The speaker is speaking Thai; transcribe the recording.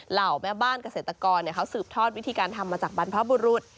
เหล่าแม่บ้านเกษตรกรเขาสืบทอดวิธีการทำมาจากบรรพบุรุษ